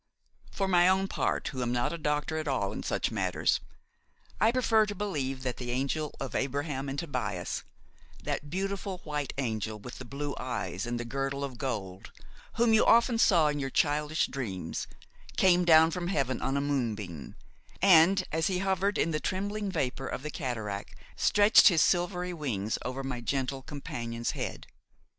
For my own part, who am not a doctor at all in such matters, I prefer to believe that the angel of Abraham and Tobias, that beautiful white angel with the blue eyes and the girdle of gold, whom you often saw in your childish dreams, came down from Heaven on a moonbeam, and, as he hovered in the trembling vapor of the cataract, stretched his silvery wings over my gentle companion's head.